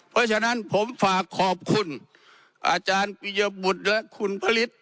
เพราะฉะนั้นผมฝากขอบคุณอาจารย์ปียบุตรและคุณพระฤทธิ